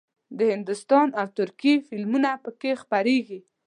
د هندوستان او ترکیې فلمونه پکې خپرېږي.